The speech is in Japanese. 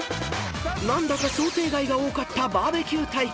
［何だか想定外が多かったバーベキュー対決］